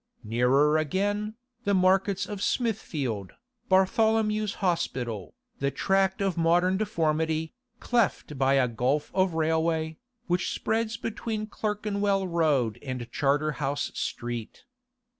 Nearer again, the markets of Smithfield, Bartholomew's Hospital, the tract of modern deformity, cleft by a gulf of railway, which spreads between Clerkenwell Road and Charterhouse Street.